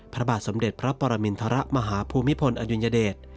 พระบาทสมเด็จพระปรมินทรมาฮภูมิพลอดุลยเดช